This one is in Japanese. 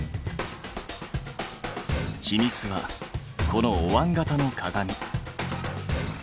秘密はこのおわん形の鏡。